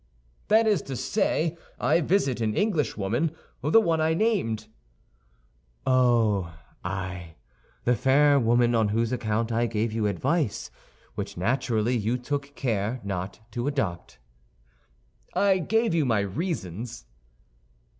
"That is to say, I visit an Englishwoman—the one I named." "Oh, ay! the fair woman on whose account I gave you advice, which naturally you took care not to adopt." "I gave you my reasons."